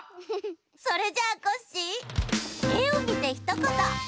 それじゃあコッシーえをみてひとこと！